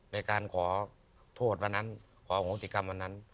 ในการขอโทษวันนั้นขอโหสิกรรมวันนั้น